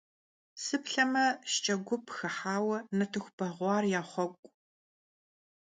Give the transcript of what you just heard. Sıplheme, şşç'e gup xıhaue nartıxu beğuar yaxhuek'u.